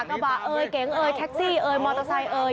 กระบะเอ่ยเก๋งเอยแท็กซี่เอ่ยมอเตอร์ไซค์เอ่ย